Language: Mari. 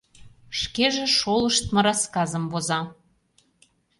Шкеже шолыштмо рассказым воза.